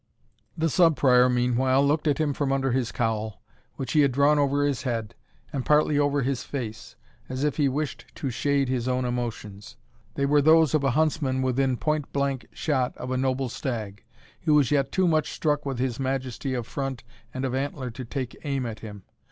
The Sub Prior, meanwhile, looked at him from under his cowl, which he had drawn over his head, and partly over his face, as if he wished to shade his own emotions. They were those of a huntsman within point blank shot of a noble stag, who is yet too much struck with his majesty of front and of antler to take aim at him.